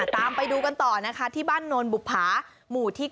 ตามไปดูกันต่อนะคะที่บ้านโนนบุภาหมู่ที่๙